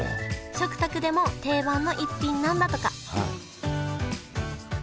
食卓でも定番の一品なんだとかはい。